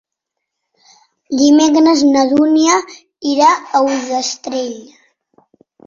Dimecres na Dúnia irà a Ullastrell.